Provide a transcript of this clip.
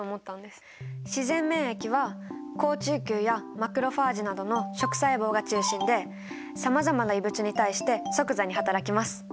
自然免疫は好中球やマクロファージなどの食細胞が中心でさまざまな異物に対して即座にはたらきます。